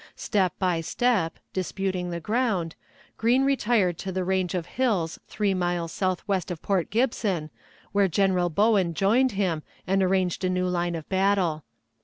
Step by step, disputing the ground, Green retired to the range of hills three miles southwest of Port Gibson, where General Bowen joined him and arranged a new line of battle.